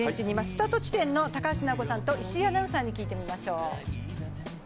スタート地点の高橋尚子さんと石井アナウンサーに聞いてみましょう。